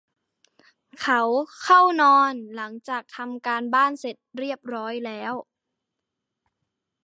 เขาเข้านอนหลังจากทำการบ้านเสร็จเรียบร้อยแล้ว